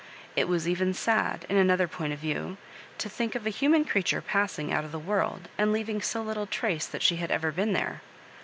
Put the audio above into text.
It was even sad, in another point of view, to think of a human creature passing out of the world, and leaving so little trace that she had ever been there.